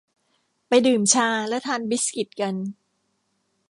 ไปดื่มชาและทานบิสกิตกัน